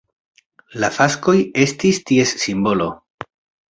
La faskoj estis ties simbolo.